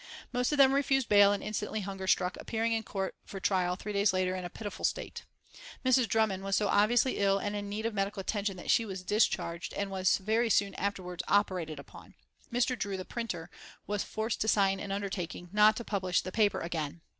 Most of them refused bail and instantly hunger struck appearing in court for trial three days later in a pitiful state. Mrs. Drummond was so obviously ill and in need of medical attention that she was discharged and was very soon afterwards operated upon. Mr. Drew, the printer, was forced to sign an undertaking not to publish the paper again.